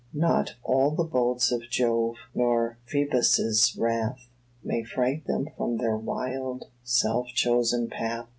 Not all the bolts of Jove, nor Phœbus' wrath, May fright them from their wild, self chosen path.